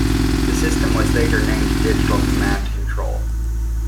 The system was later named Digital Command Control.